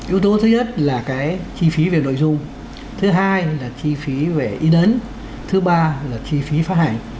yếu tố thứ nhất là cái chi phí về nội dung thứ hai là chi phí về in ấn thứ ba là chi phí phát hành